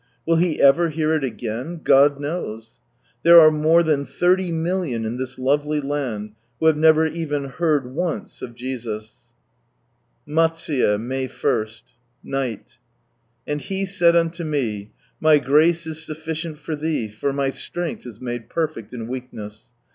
Will he ever hear it again? God knows. There are more than thirty million in this lovely land wlio have never heard rt. ci ona of Jesus. Matsuye, May i. Nt'gAt. — "And He said unto me, 'My grace is sufficient for thee, for My strength is made perfect in weakness.'